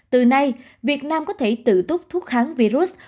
từ nay việt nam có thể tự túc thuốc kháng virus